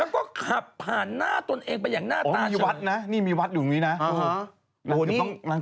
แล้วก็ขับผ่านหน้าตัวเองไปอย่างหน้าตาชะน